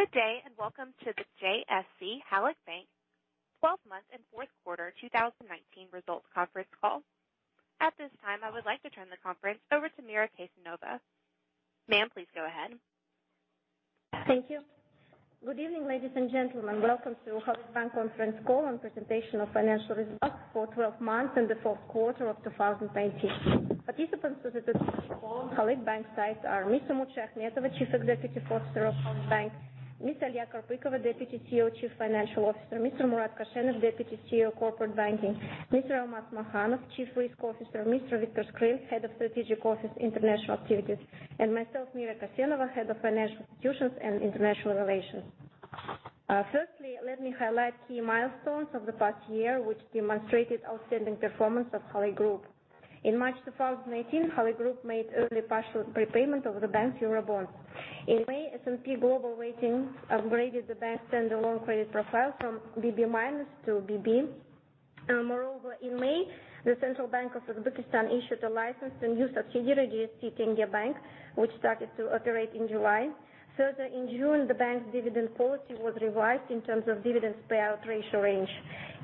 Good day, welcome to the JSC Halyk Bank 12 month and fourth quarter 2019 results conference call. At this time, I would like to turn the conference over to Mira Kassenova. Ma'am, please go ahead. Thank you. Good evening, ladies and gentlemen. Welcome to Halyk Bank conference call and presentation of financial results for 12 months and the fourth quarter of 2019. Participants to this call on Halyk Bank side are Mr. Umut Shayakhmetova, Chief Executive Officer of Halyk Bank; Ms. Aliya Karpykova, Deputy CEO, Chief Financial Officer; Mr. Murat Koshenov, Deputy CEO, Corporate Banking; Mr. Almas Makhanov, Chief Risk Officer; Mr. Viktor Skryl, Head of Strategic Office, International Activities; and myself, Mira Kassenova, Head of Financial Institutions and Investor Relations. Let me highlight key milestones of the past year, which demonstrated outstanding performance of Halyk Group. In March 2019, Halyk Group made early partial prepayment of the bank's Eurobond. In May, S&P Global Ratings upgraded the bank's standalone credit profile from BB- to BB. Moreover, in May, the Central Bank of the Republic of Uzbekistan issued a license to a new subsidiary, Tengri Bank JSC, which started to operate in July. In June, the bank's dividend policy was revised in terms of dividends payout ratio range.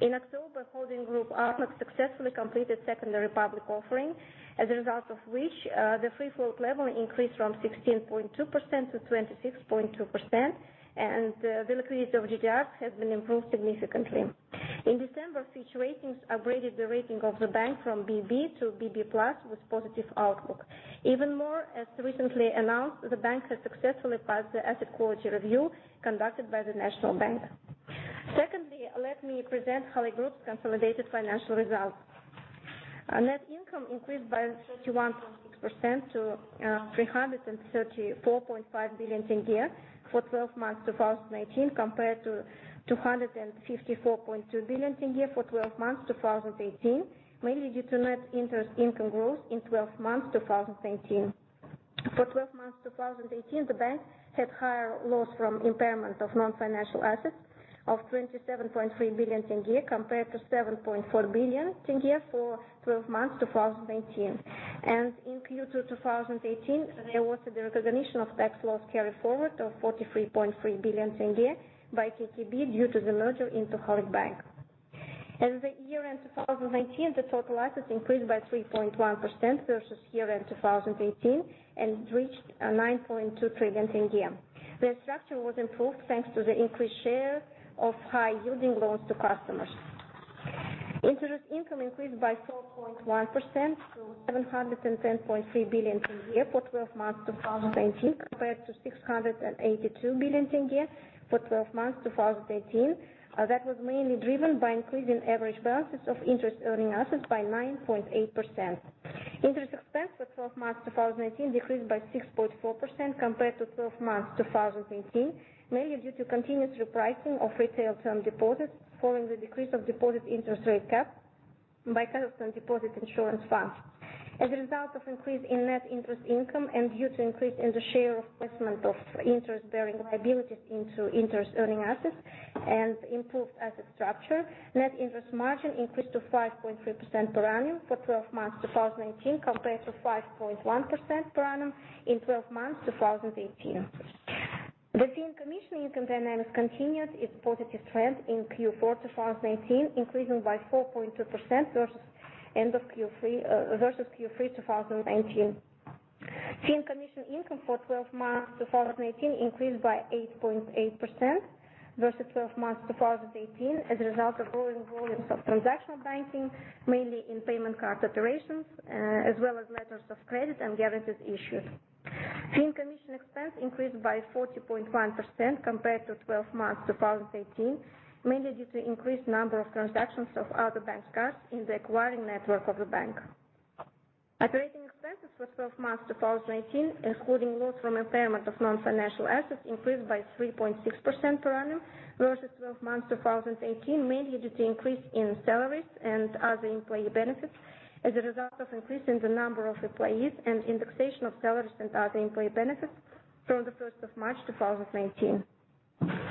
In October, holding group, ALMEX, successfully completed secondary public offering, as a result of which the free float level increased from 16.2% to 26.2%, and the liquidity of GDRs has been improved significantly. In December, Fitch Ratings upgraded the rating of the bank from BB to BB+ with positive outlook. As recently announced, the bank has successfully passed the asset quality review conducted by the National Bank of Kazakhstan. Secondly, let me present Halyk Group's consolidated financial results. Net income increased by 31.6% to KZT 334.5 billion for 12 months 2019 compared to KZT 254.2 billion for 12 months 2018, mainly due to net interest income growth in 12 months 2019. For 12 months 2018, the bank had higher loss from impairment of non-financial assets of KZT 27.3 billion compared to KZT 7.4 billion for 12 months 2019. In Q2 2018, there was the recognition of tax loss carry forward of KZT 43.3 billion by KTB due to the merger into Halyk Bank. At the year end 2019, the total assets increased by 3.1% versus year end 2018 and reached KZT 9.2 trillion. The structure was improved thanks to the increased share of high yielding loans to customers. Interest income increased by 4.1% to KZT 710.3 billion for 12 months 2019, compared to KZT 682 billion for 12 months 2018. That was mainly driven by increase in average balances of interest earning assets by 9.8%. Interest expense for 12 months 2019 decreased by 6.4% compared to 12 months 2018, mainly due to continuous repricing of retail term deposits following the decrease of deposit interest rate cap by Kazakhstan Deposit Insurance Fund. As a result of increase in net interest income and due to increase in the share of placement of interest bearing liabilities into interest earning assets and improved asset structure, net interest margin increased to 5.3% per annum for 12 months 2019, compared to 5.1% per annum in 12 months 2018. The fee and commission income dynamics continued its positive trend in Q4 2019, increasing by 4.2% versus Q3 2019. Fee and commission income for 12 months 2019 increased by 8.8% versus 12 months 2018 as a result of growing volumes of transactional banking, mainly in payment card iterations, as well as letters of credit and guarantees issued. Fee and commission expense increased by 40.1% compared to 12 months 2018, mainly due to increased number of transactions of other bank's cards in the acquiring network of the bank. Operating expenses for 12 months 2019, including loss from impairment of non-financial assets, increased by 3.6% per annum versus 12 months 2018, mainly due to increase in salaries and other employee benefits as a result of increase in the number of employees and indexation of salaries and other employee benefits from the 1st of March 2019.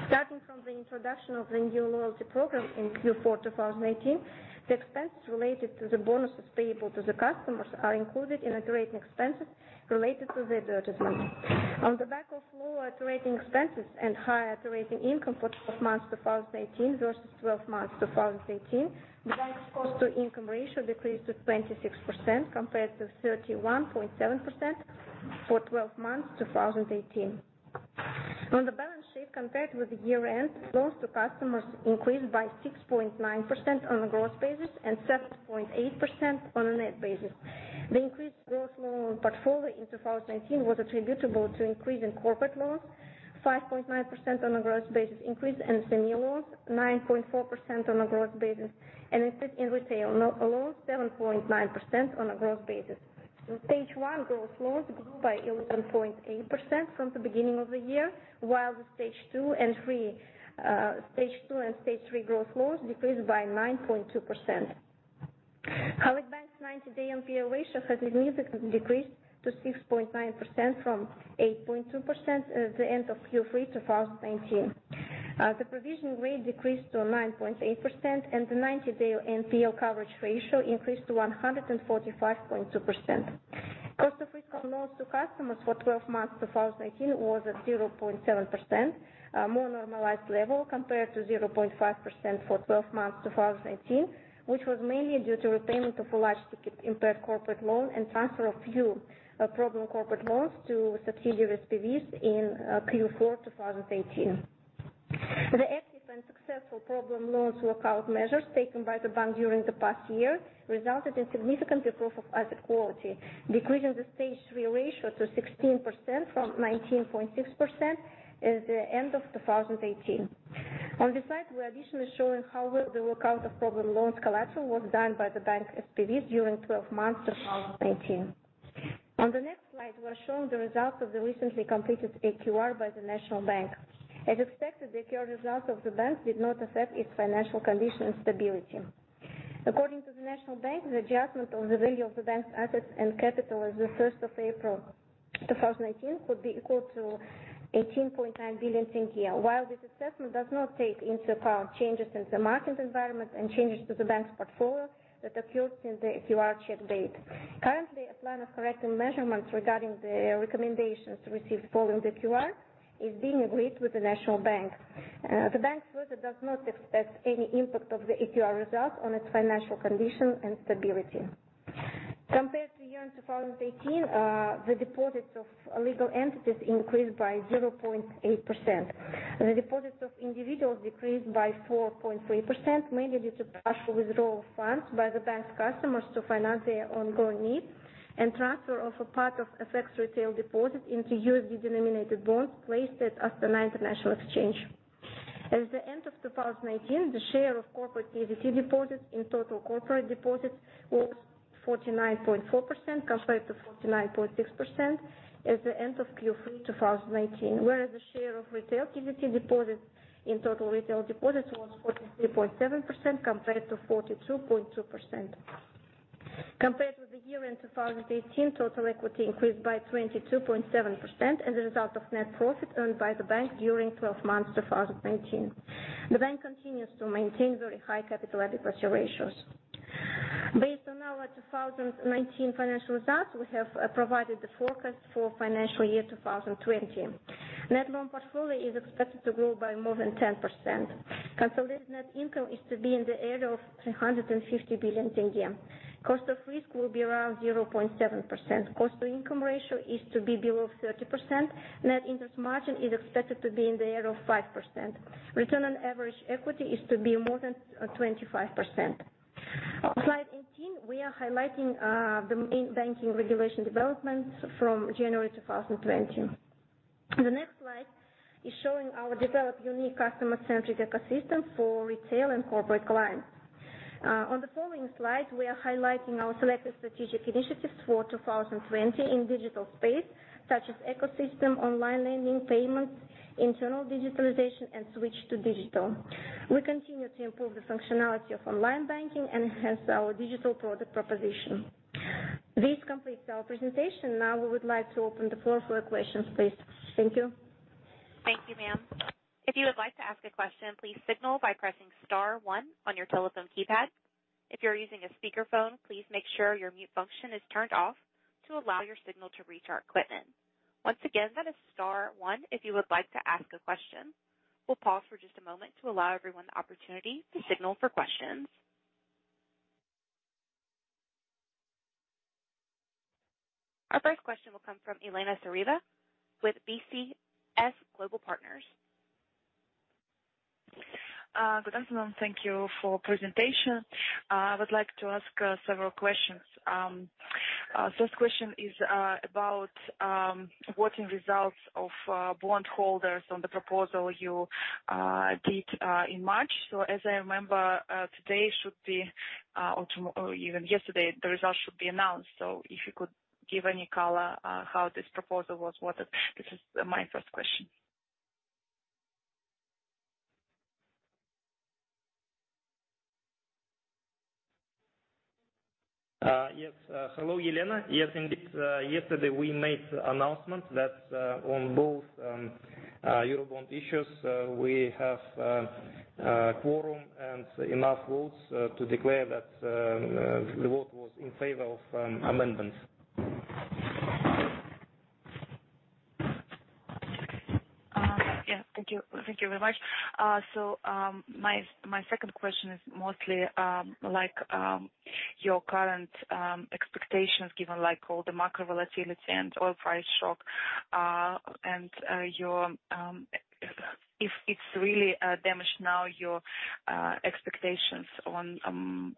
Starting from the introduction of the new loyalty program in Q4 2018, the expenses related to the bonuses payable to the customers are included in operating expenses related to the advertisement. On the back of lower operating expenses and higher operating income for 12 months 2019 versus 12 months 2018, the bank's cost to income ratio decreased to 26% compared to 31.7% for 12 months 2018. On the balance sheet compared with the year end, loans to customers increased by 6.9% on a gross basis and 7.8% on a net basis. The increased gross loan portfolio in 2019 was attributable to increase in corporate loans, 5.9% on a gross basis increase in SME loans, 9.4% on a gross basis, and increase in retail loans 7.9% on a gross basis. The stage one gross loans grew by 11.8% from the beginning of the year, while the stage two and stage three gross loans decreased by 9.2%. Halyk Bank's 90-day NPL ratio has significantly decreased to 6.9% from 8.2% at the end of Q3 2019. The provision rate decreased to 9.8%, and the 90-day NPL coverage ratio increased to 145.2%. Cost of risk of loans to customers for 12 months 2019 was at 0.7%, a more normalized level compared to 0.5% for 12 months 2018, which was mainly due to repayment of a large ticket impaired corporate loan and transfer of few problem corporate loans to subsidiary SPVs in Q4 2018. The effective and successful problem loans workout measures taken by the bank during the past year resulted in significant improvement of asset quality, decreasing the stage three ratio to 16% from 19.6% at the end of 2018. On this slide, we're additionally showing how well the workout of problem loans collateral was done by the bank SPVs during 12 months 2019. On the next slide, we're showing the results of the recently completed AQR by the National Bank. As expected, the AQR results of the bank did not affect its financial condition and stability. According to the National Bank, the adjustment of the value of the bank's assets and capital as of the 1st of April 2019 could be equal to KZT 18.9 billion. This assessment does not take into account changes in the market environment and changes to the bank's portfolio that occurred since the AQR check date. Currently, a plan of corrective measurements regarding the recommendations received following the AQR is being agreed with the National Bank. The bank further does not expect any impact of the AQR results on its financial condition and stability. Compared to the year end 2018, the deposits of legal entities increased by 0.8%. The deposits of individuals decreased by 4.3%, mainly due to partial withdrawal of funds by the bank's customers to finance their ongoing needs and transfer of a part of FX retail deposits into USD-denominated bonds placed at Astana International Exchange. At the end of 2019, the share of corporate KZT deposits in total corporate deposits was 49.4% compared to 49.6% at the end of Q3 2018. The share of retail KZT deposits in total retail deposits was 43.7% compared to 42.2%. Compared with the year end 2018, total equity increased by 22.7% as a result of net profit earned by the bank during 12 months 2019. The bank continues to maintain very high capital adequacy ratios. Based on our 2019 financial results, we have provided the forecast for financial year 2020. Net loan portfolio is expected to grow by more than 10%. Consolidated net income is to be in the area of 350 billion tenge. Cost of risk will be around 0.7%. Cost to income ratio is to be below 30%. Net interest margin is expected to be in the area of 5%. Return on average equity is to be more than 25%. On slide 18, we are highlighting the main banking regulation developments from January 2020. The next slide is showing our developed unique customer-centric ecosystem for retail and corporate clients. On the following slide, we are highlighting our selected strategic initiatives for 2020 in digital space, such as ecosystem, online lending, payments, internal digitalization, and switch to digital. We continue to improve the functionality of online banking and enhance our digital product proposition. This completes our presentation. We would like to open the floor for your questions, please. Thank you. Thank you, ma'am. If you would like to ask a question, please signal by pressing star one on your telephone keypad. If you're using a speakerphone, please make sure your mute function is turned off to allow your signal to reach our equipment. Once again, that is star one if you would like to ask a question. We'll pause for just a moment to allow everyone the opportunity to signal for questions. Our first question will come from Elena Tsareva with BCS Global Markets. Good afternoon. Thank you for presentation. I would like to ask several questions. First question is about voting results of bond holders on the proposal you did in March. As I remember, today should be, or even yesterday, the results should be announced. If you could give any color on how this proposal was voted. This is my first question. Yes. Hello, Elena. Yes, indeed. Yesterday we made the announcement that on both Eurobond issues, we have quorum and enough votes to declare that the vote was in favor of amendments. Yeah. Thank you. Thank you very much. My second question is mostly your current expectations, given all the macro volatility and oil price shock, and if it is really damaged now your expectations on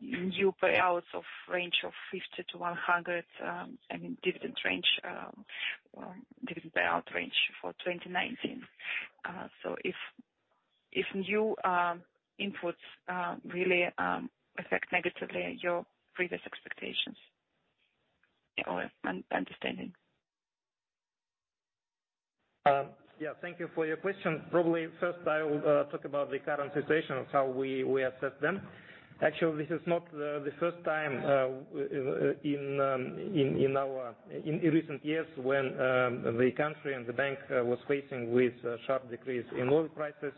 new payouts of range of 50-100, I mean, dividend payout range for 2019? If new inputs really affect negatively your previous expectations or understanding? Yeah. Thank you for your question. Probably first I will talk about the current situation of how we assess them. Actually, this is not the first time in recent years when the country and the bank was facing with a sharp decrease in oil prices.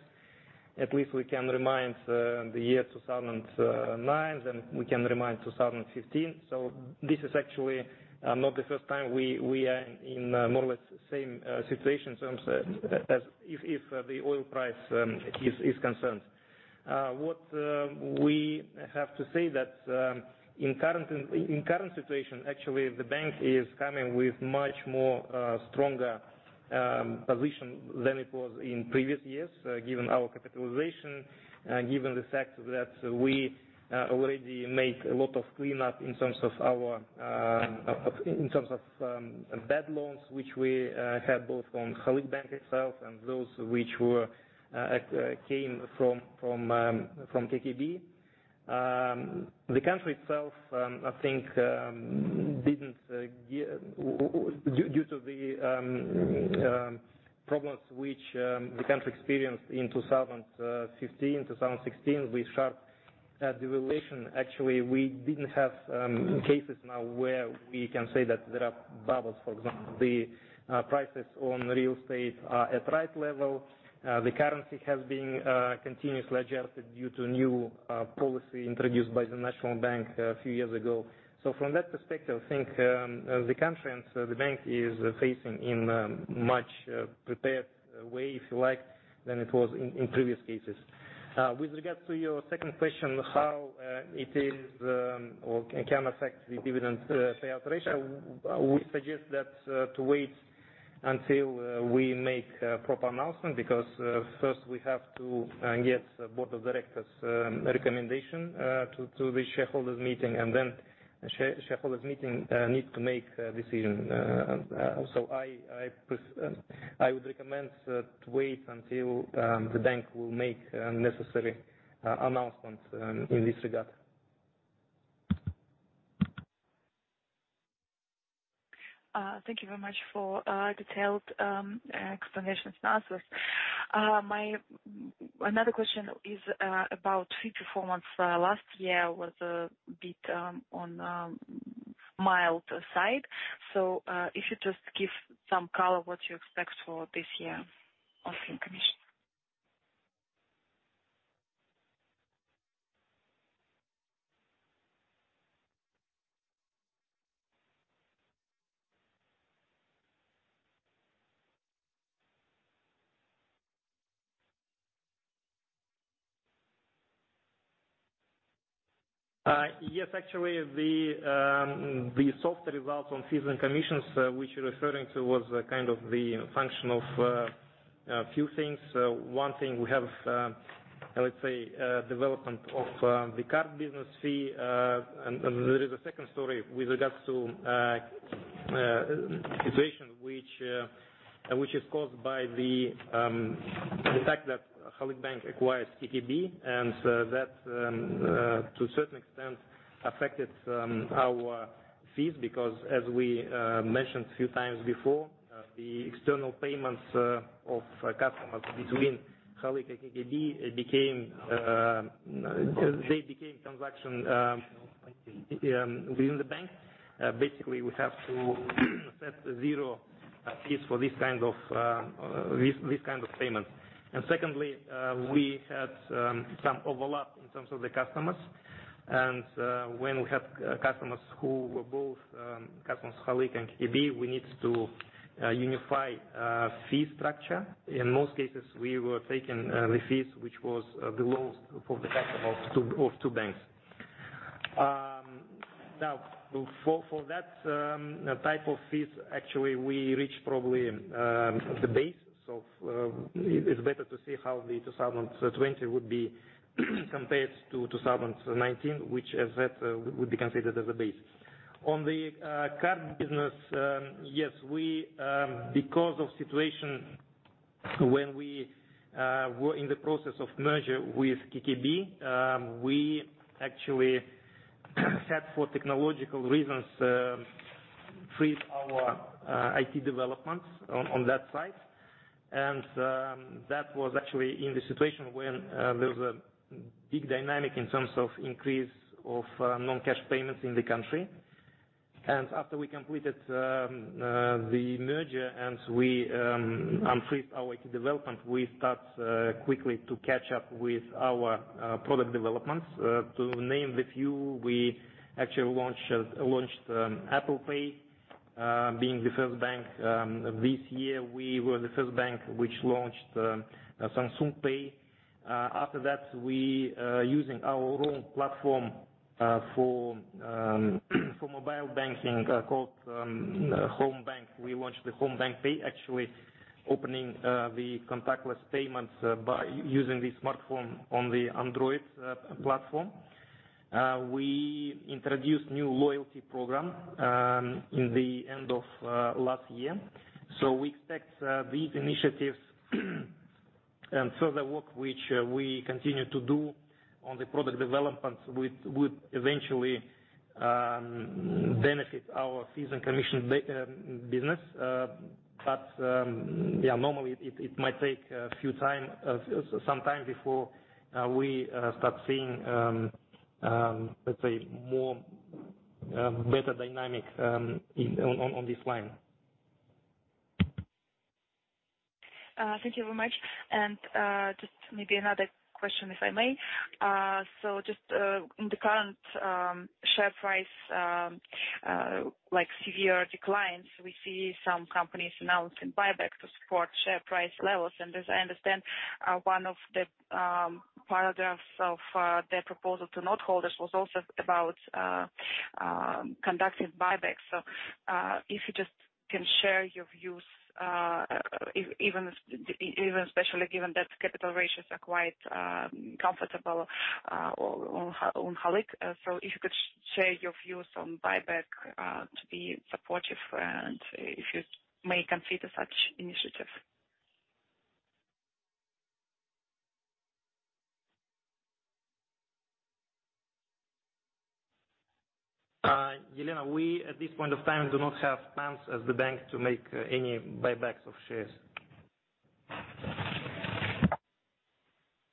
At least we can remind the year 2009, then we can remind 2015. This is actually not the first time we are in more or less the same situation in terms as if the oil price is concerned. What we have to say that in current situation, actually, the bank is coming with much more stronger position than it was in previous years given our capitalization, given the fact that we already make a lot of cleanup in terms of bad loans, which we had both from Halyk Bank itself and those which came from KKB. The country itself, I think, due to the problems which the country experienced in 2015, 2016, with sharp devaluation, actually, we didn't have cases now where we can say that there are bubbles. For example, the prices on real estate are at right level. The currency has been continuous. Thank you very much for detailed explanations, analysis. Another question is about fee performance. Last year was a bit on the mild side. If you just give some color what you expect for this year on fee and commission? Yes, actually, the soft results on fees and commissions which you're referring to was kind of the function of a few things. One thing we have, let's say, development of the card business fee. There is a second story with regards to situation which is caused by the fact that Halyk Bank acquired KKB, and that to a certain extent affected our fees because as we mentioned a few times before, the external payments of customers between Halyk and KKB they became transaction within the bank. Basically, we have to set zero fees for these kinds of payments. Secondly, we had some overlap in terms of the customers. When we had customers who were both customers of Halyk and KKB, we needed to unify fee structure. In most cases, we were taking the fees which was the lowest for the customer of two banks. Now, for that type of fees, actually, we reached probably the base. It's better to see how the 2020 would be compared to 2019, which as that would be considered as a base. On the card business, yes, because of situation when we were in the process of merger with KKB, we actually, had for technological reasons, freeze our IT developments on that side. That was actually in the situation when there was a big dynamic in terms of increase of non-cash payments in the country. After we completed the merger and we unfreeze our IT development, we start quickly to catch up with our product developments. To name the few, we actually launched Apple Pay being the first bank. This year, we were the first bank which launched Samsung Pay. After that, we using our own platform for mobile banking called Homebank, we launched the Homebank Pay, actually opening the contactless payments by using the smartphone on the Android platform. We introduced new loyalty program in the end of last year. We expect these initiatives and further work which we continue to do on the product development would eventually benefit our fees and commission business. Normally, it might take some time before we start seeing, let's say, better dynamics on this line. Thank you very much. Just maybe another question, if I may. Just in the current share price severe declines, we see some companies announcing buyback to support share price levels. As I understand, one of the paragraphs of their proposal to note holders was also about conducting buybacks. If you just can share your views, even especially given that capital ratios are quite comfortable on Halyk. If you could share your views on buyback to be supportive and if you may consider such initiative. Elena, we at this point of time do not have plans as the bank to make any buybacks of shares.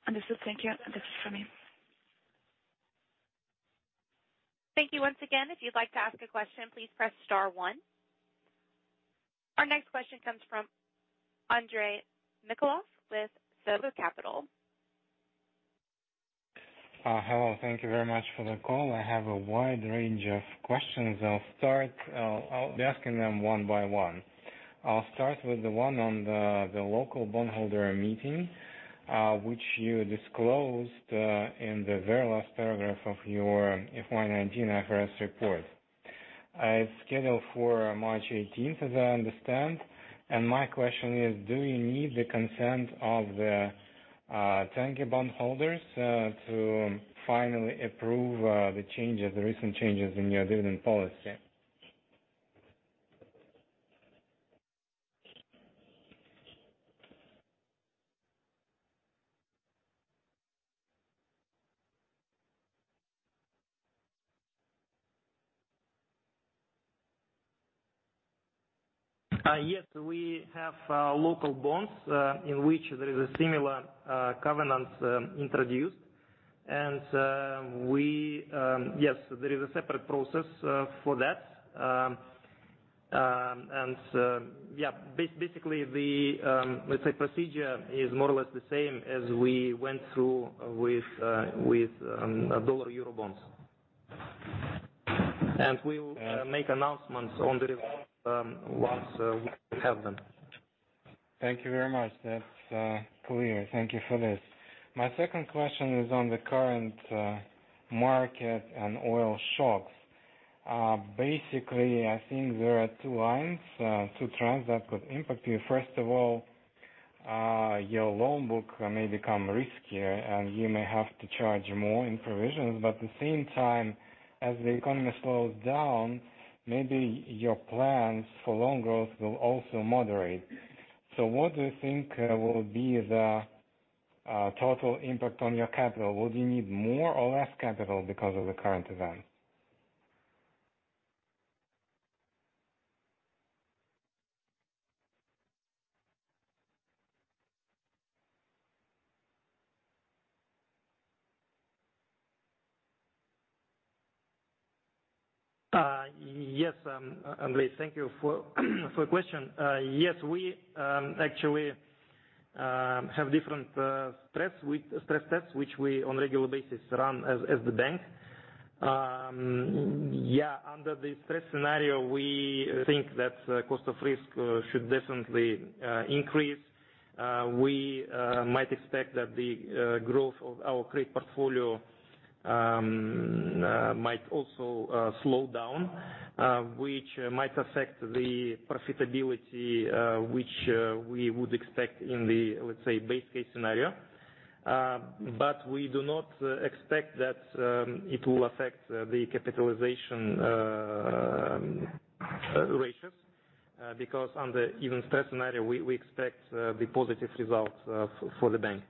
Understood. Thank you. That's it from me. Thank you once again. If you'd like to ask a question, please press star one. Our next question comes from Andrei Mikhailov with Sova Capital. Hello. Thank you very much for the call. I have a wide range of questions. I'll be asking them one by one. I'll start with the one on the local bondholder meeting, which you disclosed in the very last paragraph of your FY 2019 IFRS report. It's scheduled for March 18th, as I understand. My question is, do you need the consent of the 10-year bondholders to finally approve the recent changes in your dividend policy? Yes, we have local bonds, in which there is a similar covenant introduced. Yes, there is a separate process for that. Basically, let's say procedure is more or less the same as we went through with dollar Eurobonds. We will make announcements on the results once we have them. Thank you very much. That's clear. Thank you for this. My second question is on the current market and oil shocks. I think there are two lines, two trends that could impact you. First of all, your loan book may become riskier, and you may have to charge more in provisions. At the same time, as the economy slows down, maybe your plans for loan growth will also moderate. What do you think will be the total impact on your capital? Would you need more or less capital because of the current event? Yes, Andrei. Thank you for the question. Yes, we actually have different stress tests, which we on a regular basis run as the bank. Yeah, under the stress scenario, we think that cost of risk should definitely increase. We might expect that the growth of our credit portfolio might also slow down, which might affect the profitability which we would expect in the, let's say, base case scenario. We do not expect that it will affect the capitalization ratios, because under even stress scenario, we expect the positive results for the bank.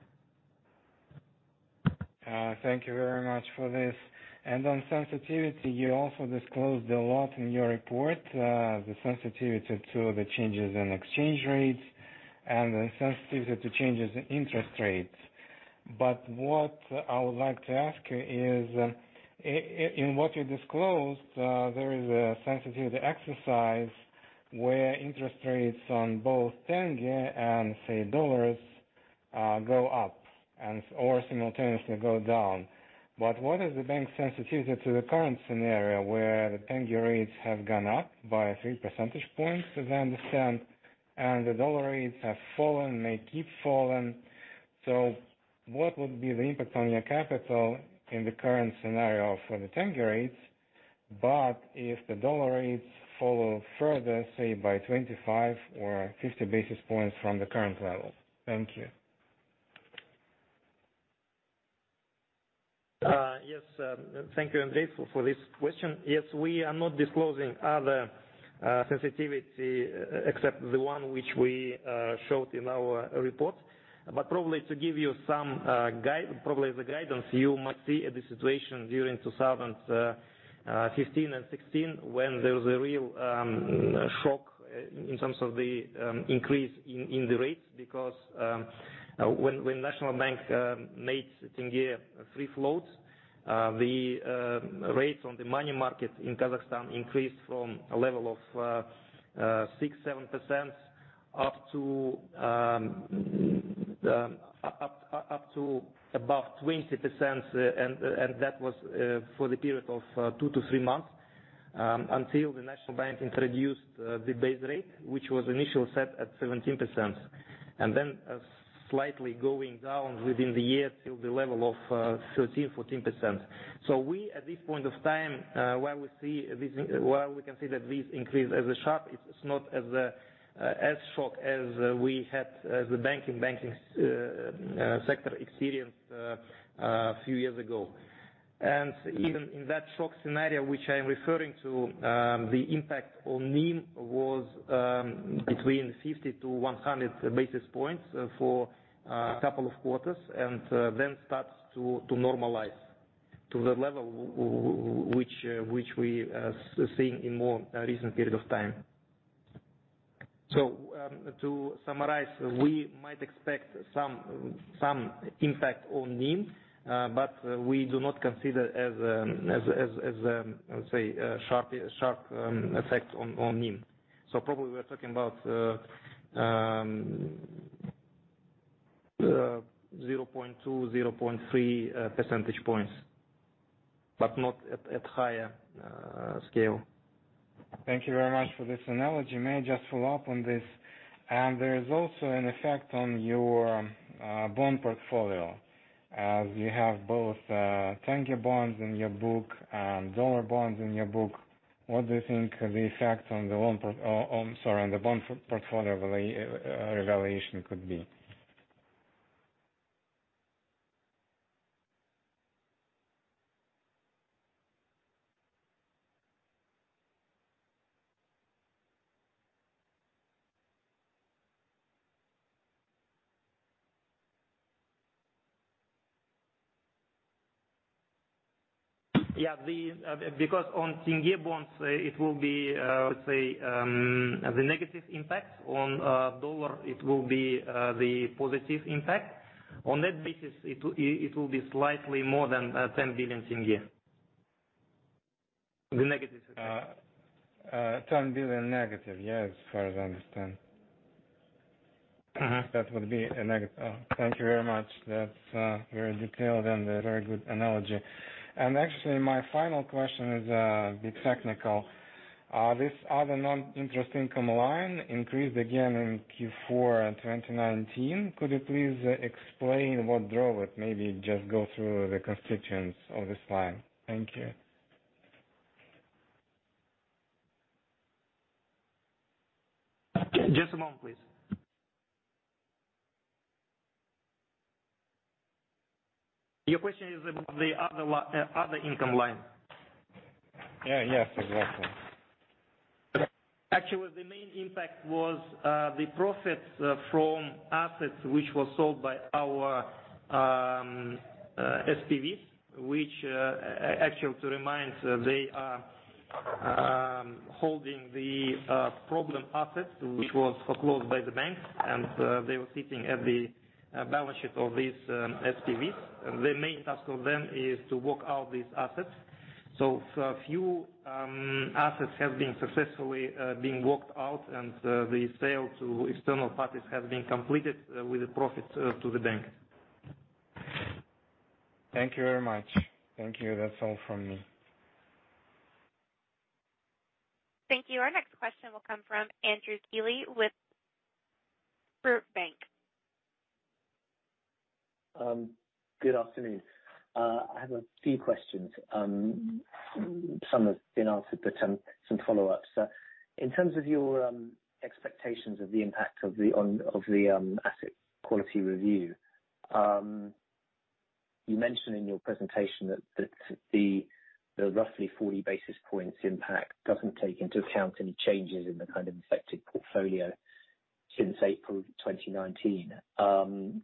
Thank you very much for this. On sensitivity, you also disclosed a lot in your report, the sensitivity to the changes in exchange rates and the sensitivity to changes in interest rates. What I would like to ask you is, in what you disclosed, there is a sensitivity exercise where interest rates on both KZT and say, dollars, go up or simultaneously go down. What is the bank sensitivity to the current scenario where the KZT rates have gone up by three percentage points, as I understand, and the dollar rates have fallen, may keep falling. What would be the impact on your capital in the current scenario for the KZT rates, but if the dollar rates fall further, say by 25 or 50 basis points from the current level? Thank you. Thank you, Andrei, for this question. We are not disclosing other sensitivity except the one which we showed in our report. To give you some guidance you might see at the situation during 2015 and 2016 when there was a real shock in terms of the increase in the rates because when National Bank of Kazakhstan made tenge free floats, the rates on the money market in Kazakhstan increased from a level of 6%-7% to above 20%, and that was for the period of two to three months, until the National Bank of Kazakhstan introduced the base rate, which was initially set at 17%, and then slightly going down within the year to the level of 13%-14%. We, at this point of time, while we can see that this increase is sharp, it's not as sharp as we had the banking sector experienced a few years ago. Even in that sharp scenario which I'm referring to, the impact on NIM was between 50 to 100 basis points for a couple of quarters, and then starts to normalize to the level which we are seeing in more recent period of time. To summarize, we might expect some impact on NIM, but we do not consider it as a sharp effect on NIM. Probably we are talking about 0.2, 0.3 percentage points, but not at higher scale. Thank you very much for this analogy. May I just follow up on this? There is also an effect on your bond portfolio as you have both 10-year bonds in your book and dollar bonds in your book. What do you think the effect on the bond portfolio revaluation could be? Yeah. On 10-year bonds, it will be, let's say, the negative impact. On USD, it will be the positive impact. On that basis, it will be slightly more than KZT 10 billion per year. The negative effect. 10 billion negative. Yeah. As far as I understand. That would be a negative. Thank you very much. That's very detailed and a very good analogy. Actually, my final question is a bit technical. This other non-interest income line increased again in Q4 in 2019. Could you please explain what drove it? Maybe just go through the constituents of this line. Thank you. Just a moment, please. Your question is about the other income line? Yeah. Yes, exactly. Actually, the main impact was the profits from assets, which were sold by our SPVs, which actually to remind, they are holding the problem assets, which was foreclosed by the bank, and they were sitting at the balance sheet of these SPVs. The main task of them is to work out these assets. A few assets have been successfully being worked out, and the sale to external parties has been completed with a profit to the bank. Thank you very much. Thank you. That is all from me. Thank you. Our next question will come from Andrew Keeley with Roth Capital. Good afternoon. I have a few questions. Some have been answered, but some follow-ups. In terms of your expectations of the impact of the asset quality review, you mentioned in your presentation that the roughly 40 basis points impact doesn't take into account any changes in the kind of affected portfolio since April 2019.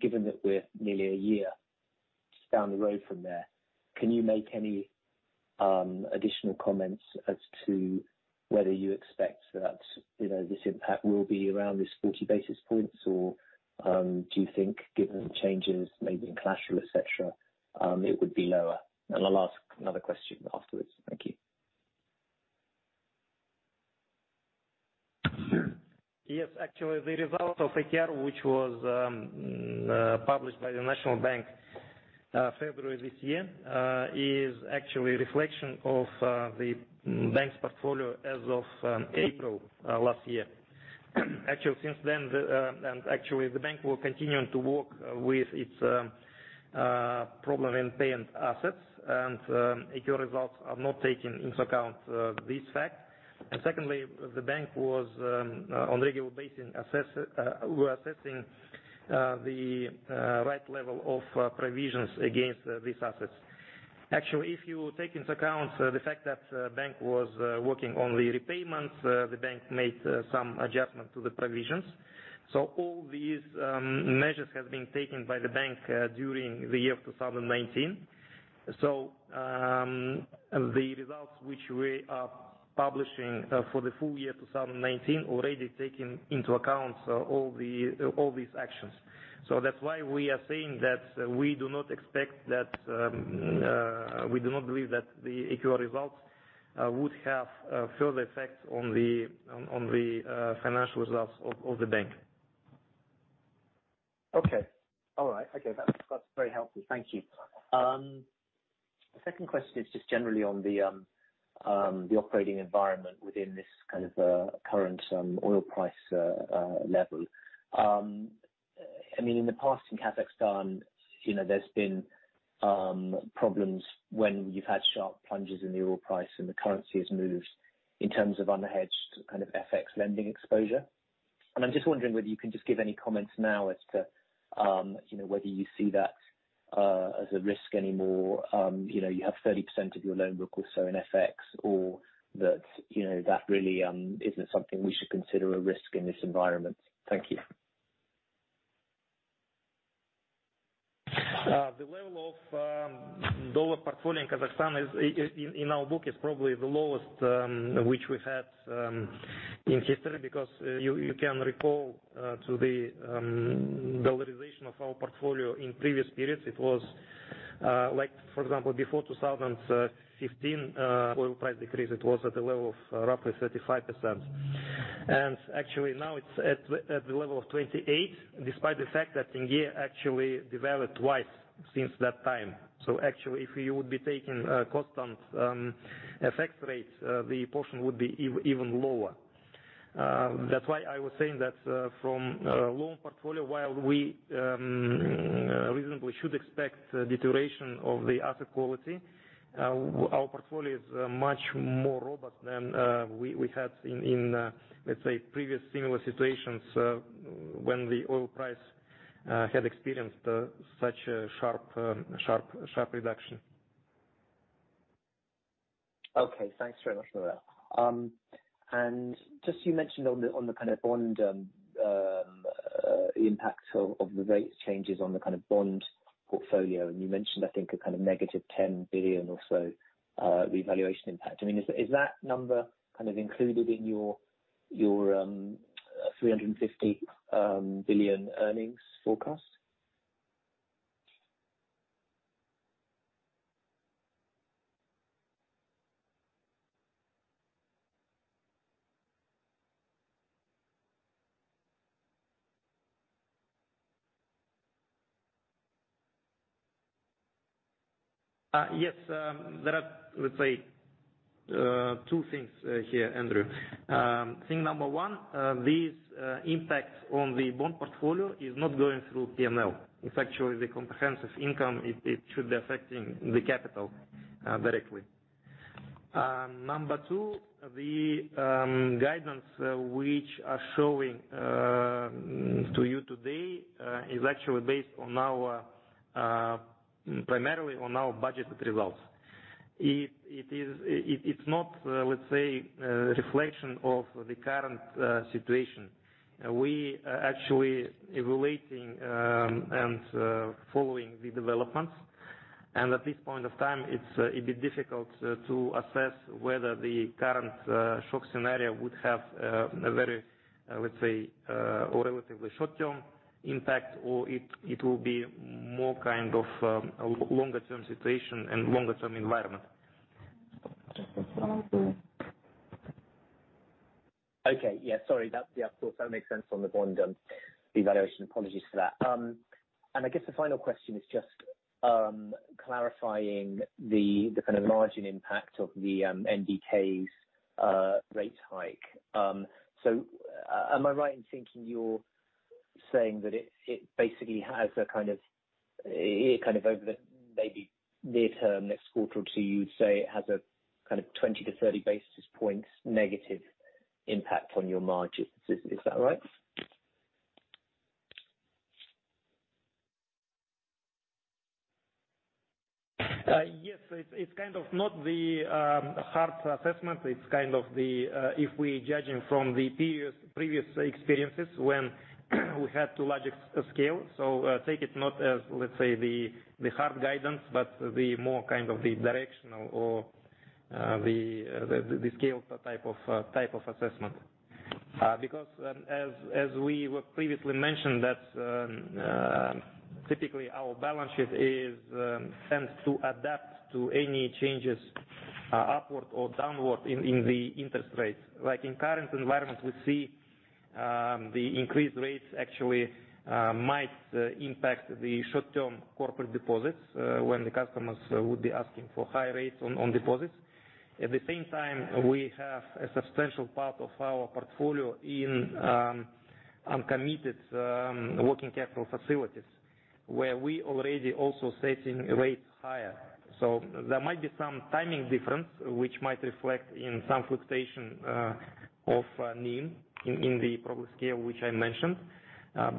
Given that we're nearly a year down the road from there, can you make any additional comments as to whether you expect that this impact will be around this 40 basis points, or do you think given the changes made in collateral, et cetera, it would be lower? I'll ask another question afterwards. Thank you. Yes. Actually, the result of AQR, which was published by the National Bank February this year, is actually a reflection of the bank's portfolio as of April last year. Actually, since then, the bank will continue to work with its problem in payment assets, and AQR results are not taking into account this fact. Secondly, the bank was on a regular basis were assessing the right level of provisions against these assets. Actually, if you take into account the fact that bank was working on the repayments, the bank made some adjustment to the provisions. All these measures have been taken by the bank during the year 2019. The results which we are publishing for the full year 2019 already taking into account all these actions. That's why we are saying that we do not believe that the AQR results would have further effects on the financial results of the bank. Okay. All right. Okay. That's very helpful. Thank you. Second question is just generally on the operating environment within this kind of current oil price level. In the past, in Kazakhstan, there's been problems when you've had sharp plunges in the oil price, and the currency has moved in terms of unhedged kind of FX lending exposure. I'm just wondering whether you can just give any comments now as to whether you see that as a risk anymore. You have 30% of your loan book also in FX, or that really isn't something we should consider a risk in this environment. Thank you. The level of dollar portfolio in Kazakhstan in our book is probably the lowest which we've had in history because you can recall to the dollarization of our portfolio in previous periods, it was like, for example, before 2015 oil price decrease, it was at the level of roughly 35%. Actually, now it's at the level of 28%, despite the fact that tenge actually devalued twice since that time. Actually, if you would be taking constant FX rates, the portion would be even lower. That's why I was saying that from loan portfolio, while we reasonably should expect deterioration of the asset quality, our portfolio is much more robust than we had in, let's say, previous similar situations when the oil price had experienced such a sharp reduction. Okay, thanks very much for that. Just you mentioned on the kind of bond impact of the rates changes on the bond portfolio, and you mentioned, I think a kind of negative KZT 10 billion or so, revaluation impact. Is that number kind of included in your KZT 350 billion earnings forecast? Yes. There are, let's say, two things here, Andrew. Thing number one, this impact on the bond portfolio is not going through P&L. It's actually the comprehensive income. It should be affecting the capital directly. Number two, the guidance which are showing to you today, is actually based primarily on our budgeted results. It's not, let's say, a reflection of the current situation. We actually evaluating and following the developments, at this point of time, it's a bit difficult to assess whether the current shock scenario would have a very, let's say, a relatively short-term impact or it will be more kind of longer term situation and longer term environment. Okay. Yeah, sorry. Yeah, of course, that makes sense on the bond evaluation. Apologies for that. I guess the final question is just clarifying the kind of margin impact of the NBK's rate hike. Am I right in thinking you're saying that it basically has a kind of over the maybe near term next quarter or two, you would say it has a kind of 20-30 basis points negative impact on your margins. Is that right? Yes. It's kind of not the hard assessment. It's kind of the, if we judging from the previous experiences when we had two large scale. Take it not as, let's say, the hard guidance, but the more kind of the directional or the scaled type of assessment. Because as we previously mentioned that typically our balance sheet tends to adapt to any changes upward or downward in the interest rates. Like in current environment, we see the increased rates actually might impact the short-term corporate deposits when the customers would be asking for higher rates on deposits. At the same time, we have a substantial part of our portfolio in uncommitted working capital facilities where we already also setting rates higher. There might be some timing difference, which might reflect in some fluctuation of NIM in the probably scale which I mentioned. Our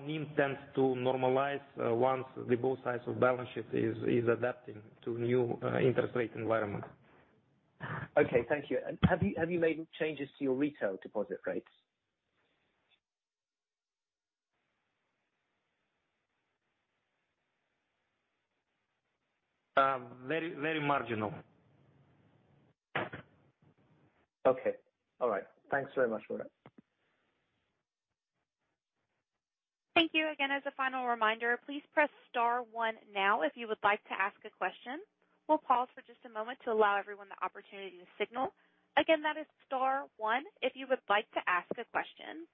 NIM tends to normalize once the both sides of balance sheet are adapting to new interest rate environment. Okay. Thank you. Have you made changes to your retail deposit rates? Very marginal. Okay. All right. Thanks very much for that. Thank you. Again, as a final reminder, please press star one now if you would like to ask a question. We'll pause for just a moment to allow everyone the opportunity to signal. Again, that is star one if you would like to ask a question.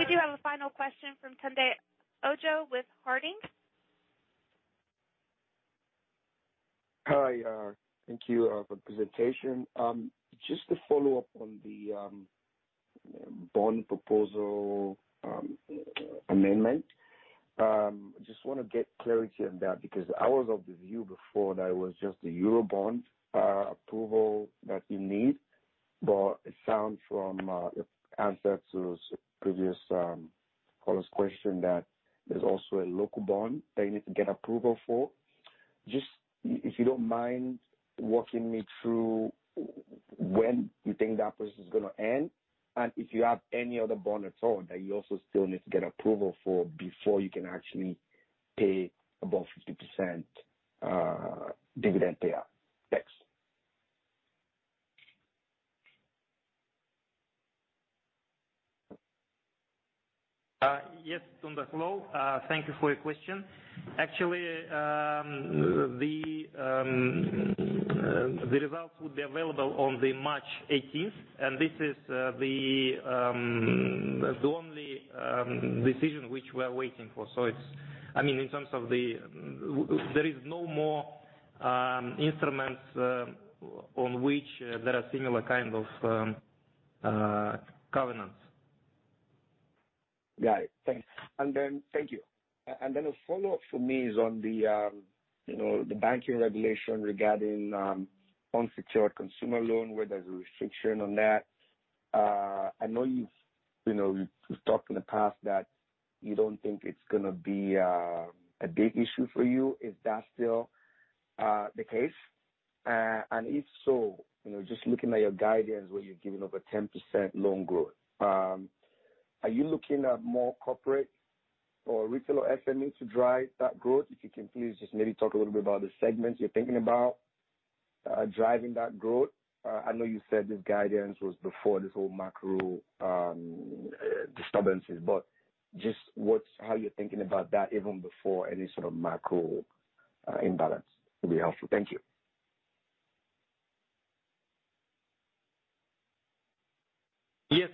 We do have a final question from Tunde Ojo with Harding. Hi. Thank you for the presentation. To follow up on the bond proposal amendment. I want to get clarity on that, because I was of the view before that it was just the Eurobond approval that you need, but it sounds from your answer to previous caller's question that there's also a local bond that you need to get approval for. If you don't mind walking me through when you think that process is going to end, and if you have any other bond at all that you also still need to get approval for before you can actually pay above 50% dividend payout. Thanks. Yes, Tunde. Hello. Thank you for your question. Actually, the results would be available on March 18th, and this is the only decision which we're waiting for. There is no more instruments on which there are similar kind of covenants. Got it. Thanks. Thank you. A follow-up from me is on the banking regulation regarding unsecured consumer loan, where there's a restriction on that. I know you've talked in the past that you don't think it's going to be a big issue for you. Is that still the case? If so, just looking at your guidance where you're giving over 10% loan growth, are you looking at more corporate or retail or SME to drive that growth? If you can please just maybe talk a little bit about the segments you're thinking about driving that growth. I know you said this guidance was before this whole macro disturbances, but just how you're thinking about that even before any sort of macro imbalance would be helpful. Thank you. Yes.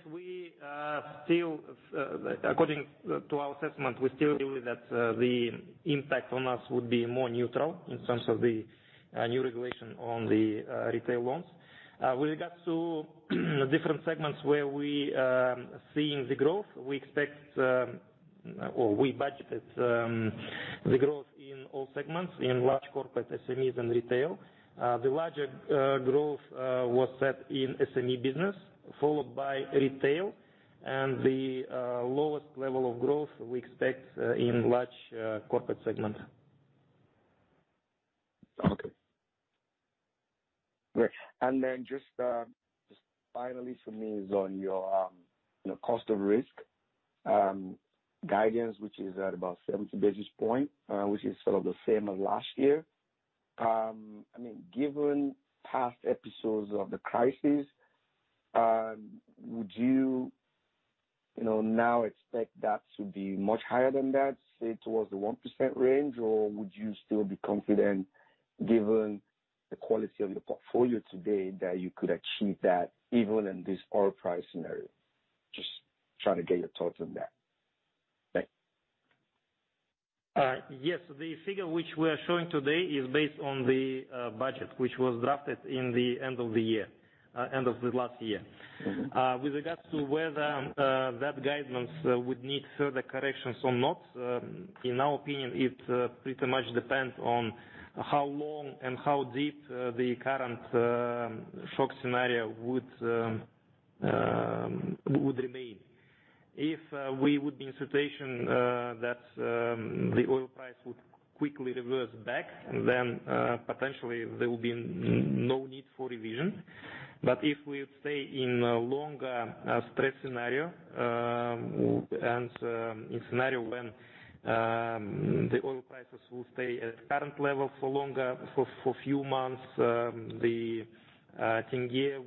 According to our assessment, we still believe that the impact on us would be more neutral in terms of the new regulation on the retail loans. With regards to different segments where we seeing the growth, we expect, or we budgeted the growth in all segments in large corporate SMEs and retail. The larger growth was set in SME business, followed by retail, and the lowest level of growth we expect in large corporate segment. Okay. Great. Just finally for me is on your cost of risk guidance, which is at about 70 basis points, which is sort of the same as last year. Given past episodes of the crisis, would you now expect that to be much higher than that, say towards the 1% range, or would you still be confident given the quality of your portfolio today that you could achieve that even in this oil price scenario? Just trying to get your thoughts on that. Thanks. Yes. The figure which we are showing today is based on the budget which was drafted in the end of the last year. With regards to whether that guidance would need further corrections or not, in our opinion, it pretty much depends on how long and how deep the current shock scenario would remain. If we would be in situation that the oil price would quickly reverse back, then potentially there will be no need for revision. If we stay in a longer stress scenario, and in scenario when the oil prices will stay at current level for longer, for few months, the tenge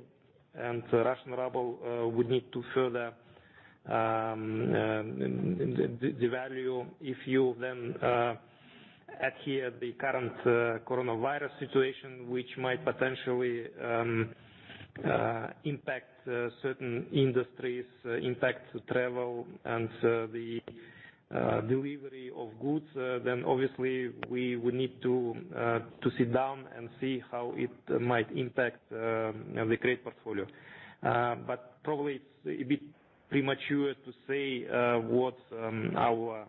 and Russian ruble would need to further devalue. If you adhere the current coronavirus situation, which might potentially impact certain industries, impact travel and the delivery of goods, then obviously we would need to sit down and see how it might impact the credit portfolio. Probably it's a bit premature to say what our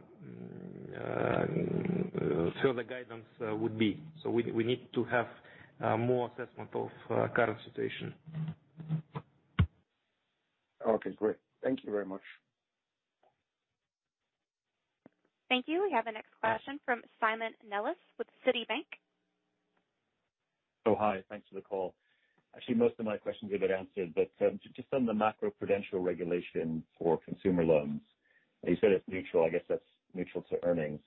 further guidance would be. We need to have more assessment of current situation. Okay, great. Thank you very much. Thank you. We have a next question from Simon Nellis with Citibank. Hi. Thanks for the call. Actually, most of my questions have been answered. Just on the macroprudential regulation for consumer loans. You said it's neutral. I guess that's neutral to earnings.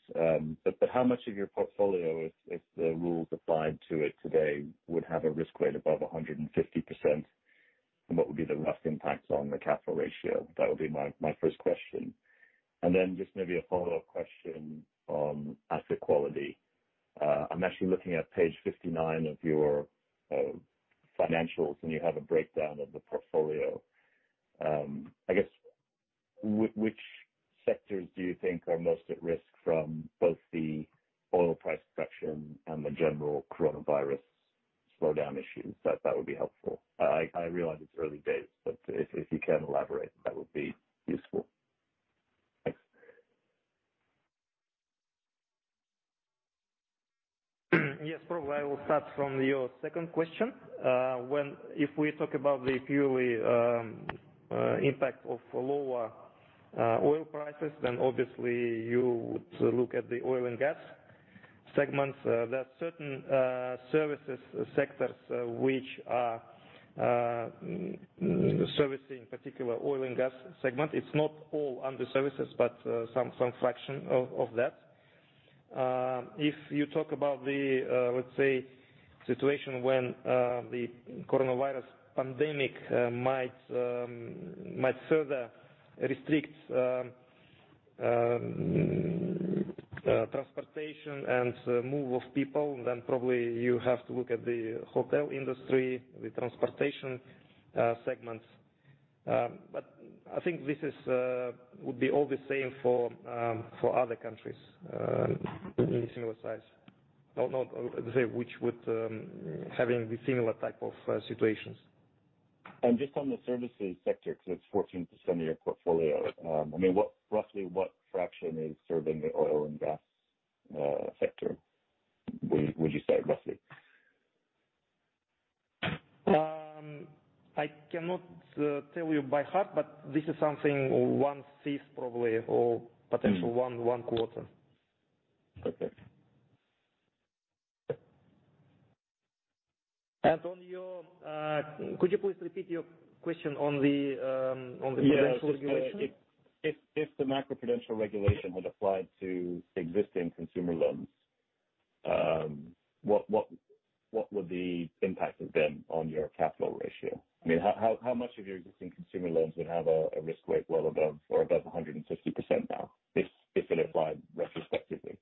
How much of your portfolio, if the rules applied to it today, would have a risk rate above 150%? What would be the rough impacts on the capital ratio? That would be my first question. Just maybe a follow-up question on asset quality. I'm actually looking at page 59 of your financials, and you have a breakdown of the portfolio. I guess, which sectors do you think are most at risk from both the oil price correction and the general coronavirus slowdown issues? That would be helpful. I realize it's early days, but if you can elaborate, that would be useful. Thanks. Yes. Probably I will start from your second question. If we talk about the purely impact of lower oil prices, then obviously you would look at the oil and gas segments. There are certain services sectors which are servicing particular oil and gas segment. It is not all under services, but some fraction of that. If you talk about the, let's say, situation when the coronavirus pandemic might further restrict transportation and move of people, then probably you have to look at the hotel industry, the transportation segments. I think this would be all the same for other countries of a similar size. Not the same, which would, having the similar type of situations. Just on the services sector, because it's 14% of your portfolio. Roughly, what fraction is serving the oil and gas sector, would you say, roughly? I cannot tell you by heart, but this is something one-fifth probably, or potential one quarter. Okay. Could you please repeat your question on the potential regulation? Yeah. If the macroprudential regulation had applied to existing consumer loans, what would the impact have been on your capital ratio? How much of your existing consumer loans would have a risk rate well above or above 150% now, if it applied retrospectively?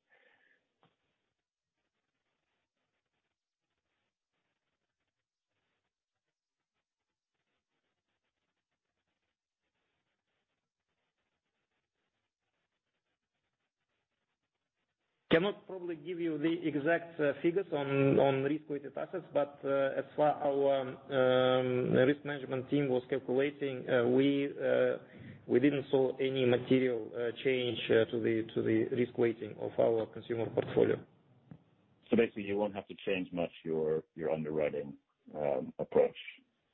Cannot probably give you the exact figures on risk-weighted assets. As far our risk management team was calculating, we didn't see any material change to the risk weighting of our consumer portfolio. Basically, you won't have to change much your underwriting approach.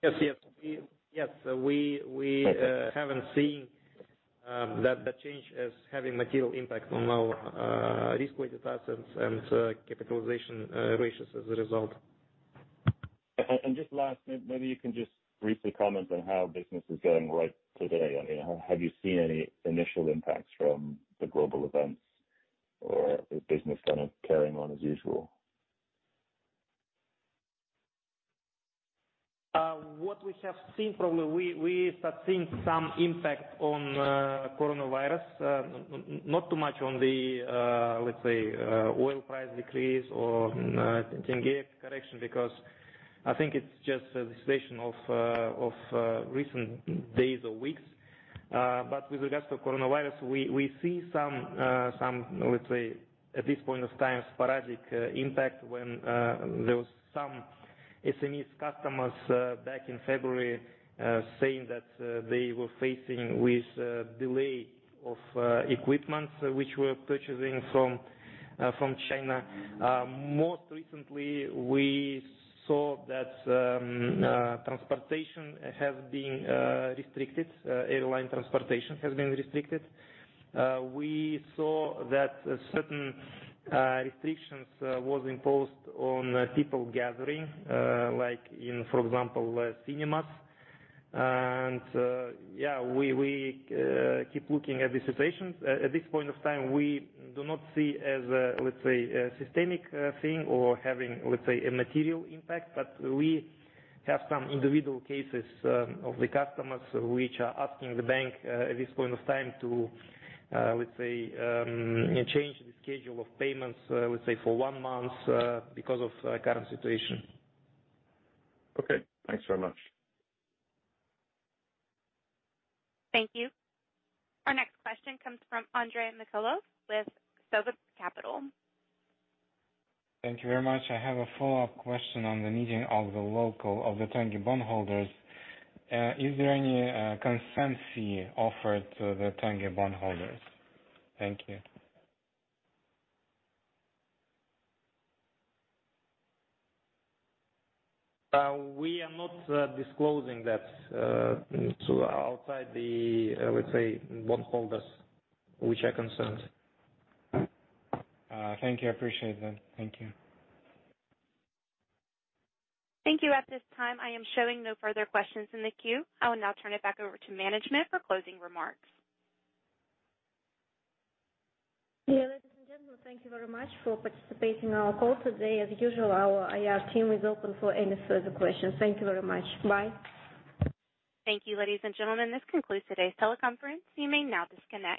Yes. Okay. We haven't seen that change as having material impact on our risk-weighted assets and capitalization ratios as a result. Just last, maybe you can just briefly comment on how business is going right today. Have you seen any initial impacts from the global events, or is business kind of carrying on as usual? What we have seen, probably we start seeing some impact on coronavirus. Not too much on the, let's say, oil price decrease or tenge correction because I think it's just the situation of recent days or weeks. With regards to coronavirus, we see some, let's say, at this point of time, sporadic impact when there was some SMEs customers back in February saying that they were facing with delay of equipment which were purchasing from China. Most recently, we saw that transportation has been restricted. Airline transportation has been restricted. We saw that certain restrictions was imposed on people gathering, like in, for example, cinemas. Yeah, we keep looking at the situations. At this point of time, we do not see as, let's say, a systemic thing or having, let's say, a material impact. We have some individual cases of the customers which are asking the bank at this point of time to, let's say, change the schedule of payments, let's say, for one month because of current situation. Okay. Thanks very much. Thank you. Our next question comes from Andrei Mikhailov with Sova Capital. Thank you very much. I have a follow-up question on the meeting of the local, of the tenge bondholders. Is there any consent fee offered to the tenge bondholders? Thank you. We are not disclosing that to outside the, let's say, bondholders which are concerned. Thank you. I appreciate that. Thank you. Thank you. At this time, I am showing no further questions in the queue. I will now turn it back over to management for closing remarks. Ladies and gentlemen, thank you very much for participating in our call today. As usual, our IR team is open for any further questions. Thank you very much. Bye. Thank you, ladies and gentlemen. This concludes today's teleconference. You may now disconnect.